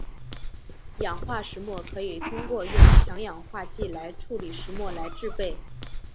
氧化石墨可以通过用强氧化剂来处理石墨来制备。